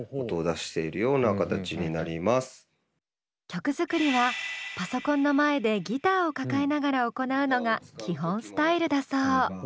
曲作りはパソコンの前でギターを抱えながら行うのが基本スタイルだそう。